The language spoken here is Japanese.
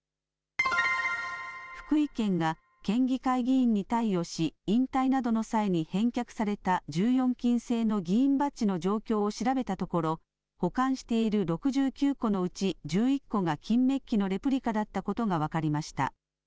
福井県が県議会議員に貸与し引退などの際に返却された１４金製の議員バッジの状況を調べたところ保管している６９個のうち１１個が金メッキのレプリカだったことが分かりました。